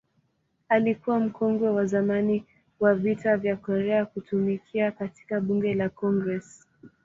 Alikuwa mkongwe wa zamani wa Vita vya Korea kutumikia katika Bunge la Congress.